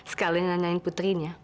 sekalian nanyain putrinya